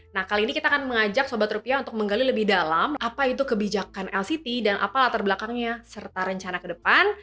nah kali ini kita akan mengajak sobat rupiah untuk menggali lebih dalam apa itu kebijakan lct dan apa latar belakangnya serta rencana ke depan